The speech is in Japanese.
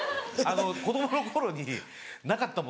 子供の頃になかったもの